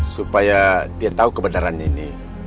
supaya dia tahu kebenaran ini